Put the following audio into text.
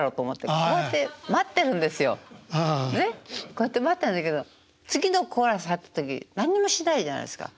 こうやって待ってるんだけど次のコーラス入った時何にもしないじゃないですか。